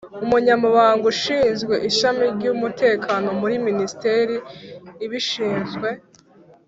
Umunyamabanga:ushinzwe ishami ry’umutekano muri ministeri ibishinzwe